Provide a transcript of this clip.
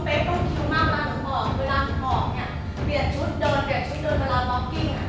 ไม่ต้องคิวมากแล้วเวลาขอบเปลี่ยนชุดเดินเวลาล็อกกิ้ง